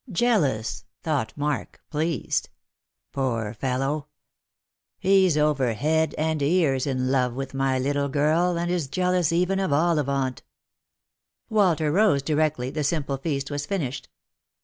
thought Mark, pleased. "Poor fellow! He's 138 ±iost for Love. over head and ears in love with, my little girl, and is jealous even of Ollivant." Walter rose directly the simple feast was finished.